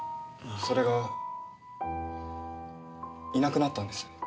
それがいなくなったんです。